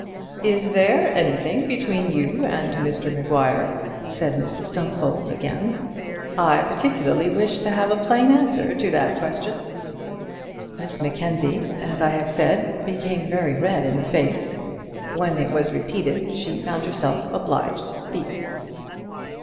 "Is there anything between you and Mr Maguire?" said Mrs Stumfold again. "I particularly wish to have a plain answer to that question." Miss Mackenzie, as I have said, became very red in the face. When it was repeated, she found herself obliged to speak.